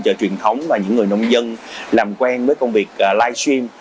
chợ truyền thống và những người nông dân làm quen với công việc live stream